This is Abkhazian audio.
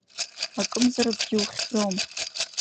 Акымзаракгьы ухьӡом…